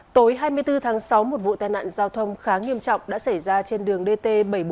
tối hai mươi bốn tháng sáu một vụ tai nạn giao thông khá nghiêm trọng đã xảy ra trên đường dt bảy trăm bốn mươi một